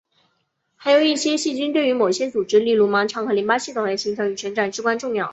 还有一些细菌对于某些组织例如盲肠和淋巴系统的形成与成长至关重要。